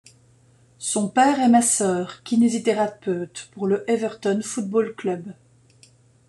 Son père est masseur-kinésithérapeute pour le Everton Football Club.